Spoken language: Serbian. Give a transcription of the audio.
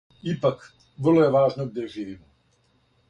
Ипак, врло је важно где живимо.